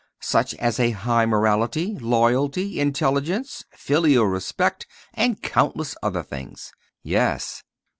"Such as a high morality, loyalty, intelligence, filial respect, and countless other things." "Yes."